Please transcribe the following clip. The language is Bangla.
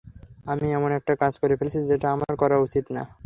আমি এমন একটা কাজ করে ফেলেছি যেটা আমার করা উচিৎ না।